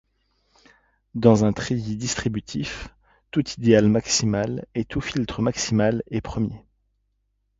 Dans un treillis distributif, tout idéal maximal et tout filtre maximal est premier.